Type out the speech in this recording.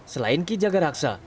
selain ki jaga raksa